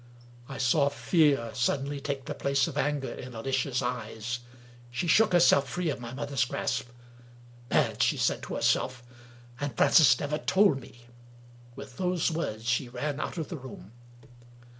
I saw fear sud denly take the place of anger in Alicia's eyes. She shook 245 English Mystery Stories herself free of my mother's grasp. "Mad!" she said to herself, " and Francis never told me! " With those words she ran out of the room.